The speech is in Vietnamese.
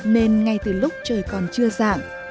nên ngay từ lúc trời còn chưa rạng